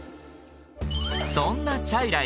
そんなチャイライ